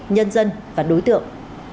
nhân dân và đối tượng